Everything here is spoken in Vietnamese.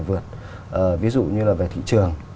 vượt ví dụ như là về thị trường